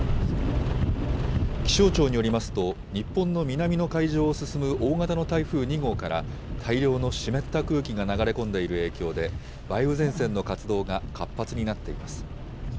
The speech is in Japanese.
気象庁によりますと、日本の南の海上を進む大型の台風２号から、大量の湿った空気が流れ込んでいる影響で、梅雨前線の活動が活発になっています。